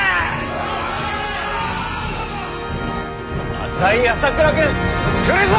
浅井朝倉軍来るぞ！